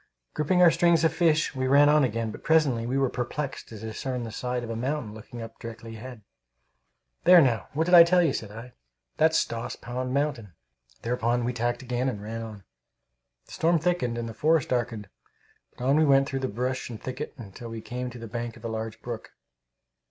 Gripping our strings of fish, we ran on again, but presently we were perplexed to discern the side of a mountain looking up directly ahead. "There, now, what did I tell you?" said I. "That's Stoss Pond mountain." Thereupon we tacked again, and ran on. The storm thickened and the forest darkened, but on we went through brush and thicket till we came to the bank of a large brook.